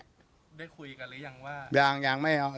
ได้คุยกันหรือยังว่า